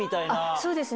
そうですね。